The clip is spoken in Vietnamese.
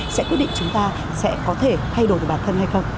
sẽ quyết định chúng ta sẽ có thể thay đổi được bản thân hay không